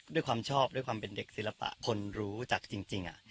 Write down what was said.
ด้วยความชอบด้วยความเป็นเด็กศิลปะคนรู้จักจริง